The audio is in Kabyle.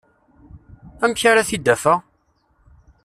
Amek ara t-id-afeɣ?